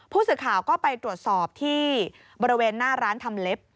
ผู้สื่อข่าวก็ไปตรวจสอบที่บริเวณหน้าร้านทำเล็บ